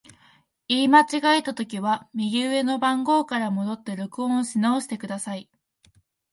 言い間違えたときは、右上の番号から戻って録音し直してください。